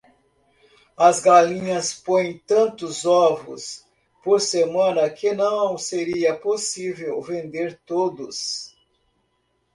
As galinhas põem tantos ovos por semana que não seria possível vender todos.